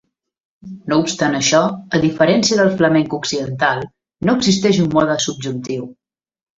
No obstant això, a diferència del flamenc occidental, no existeix un mode subjuntiu.